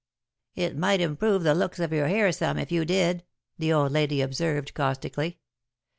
"It might improve the looks of your hair some if you did," the old lady observed, caustically.